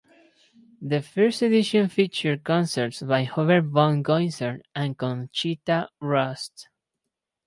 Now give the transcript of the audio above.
The first edition featured concerts by Hubert von Goisern and Conchita Wurst.